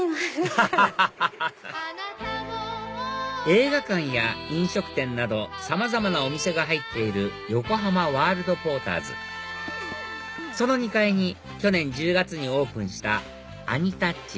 映画館や飲食店などさまざまなお店が入っている横浜ワールドポーターズその２階に去年１０月にオープンしたアニタッチ